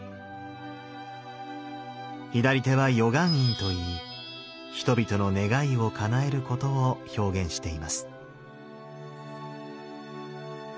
左手は与願印と言い人々の願いをかなえることを表現しています。